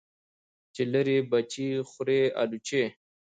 چی لری بچي خوري الوچی .